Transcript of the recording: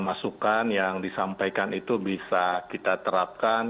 masukan yang disampaikan itu bisa kita terapkan